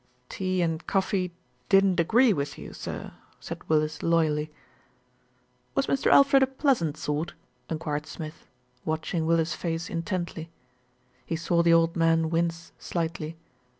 "Tea and coffee didn't agree with you, sir," said Willis loyally. "Was Mr. Alfred a pleasant sort?" enquired Smith, watching Willis' face intently. He saw the old man wince slightly.